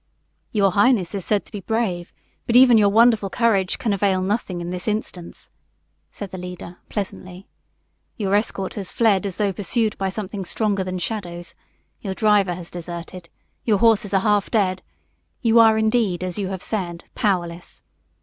"Your highness is said to be brave, but even your wonderful courage can avail nothing in this instance," said the leader, pleasantly. "Your escort has fled as though pursued by something stronger than shadows; your driver has deserted; your horses are half dead; you are indeed, as you have said, powerless.